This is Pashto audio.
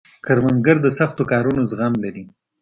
کروندګر د سختو کارونو زغم لري